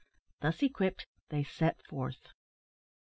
Thus equipped they set forth.